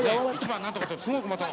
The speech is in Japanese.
「１番なんとか」ってすごくまた。